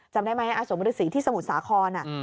จำได้ไหมอาสมฤษีที่สมุทรสาคร